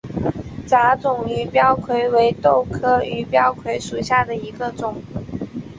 杂种鱼鳔槐为豆科鱼鳔槐属下的一个种。